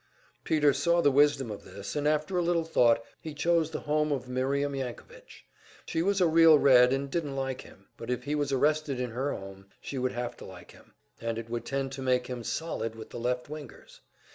Peter saw the wisdom of this, and after a little thought he chose the home of Miriam Yankovitch. She was a real Red, and didn't like him; but if he was arrested in her home, she would have to like him, and it would tend to make him "solid" with the "left wingers."